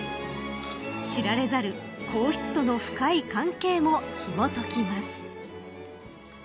知られざる皇室との深い関係もひもときます。